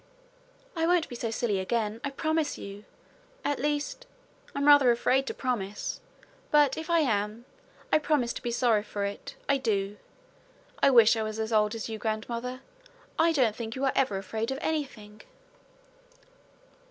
'I won't be so silly again, I promise you. At least I'm rather afraid to promise but if I am, I promise to be sorry for it I do. I wish I were as old as you, grandmother. I don't think you are ever afraid of anything.'